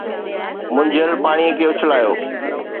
منجهيل پاڻيءَ کي اُڇلايو.